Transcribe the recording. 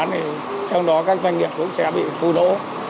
thì trong đó các doanh nghiệp cũng sẽ bị thu lỗ